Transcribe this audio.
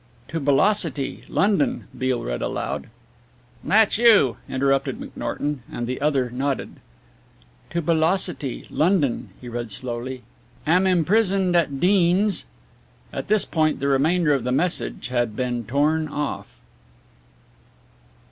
"'To Belocity, London,'" Beale read aloud. "That's you," interrupted McNorton, and the other nodded. "'To Belocity, London,'" he read slowly. "'Am imprisoned at Deans '" At this point the remainder of the message had been torn off.